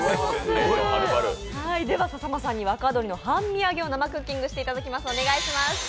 では、笹間さんに若鶏半身揚げを生クッキングしていただきます。